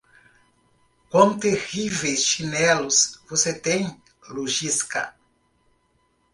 Quão terríveis chinelos você tem, Lojzka!